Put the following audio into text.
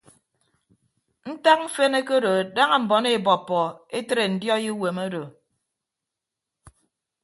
Ntak mfen ekedo daña mmọn ebọppọ etre ndiọi uwom odo.